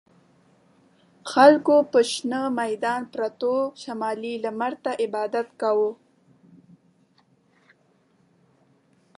خلکو په شنه میدان پروتو شمالي لمر ته عبادت کاوه.